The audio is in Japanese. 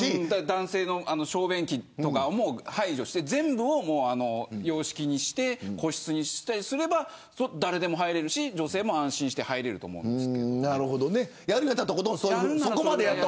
男性の小便器も排除して全部を洋式にして個室にしたりすれば誰でも入れるし、女性も安心して入れると思うんです。